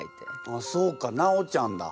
あっそうかなおちゃんだ。